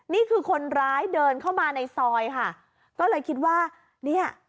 นี่คือคนร้ายเดินเข้ามาในซอยค่ะก็เลยคิดว่าเนี่ย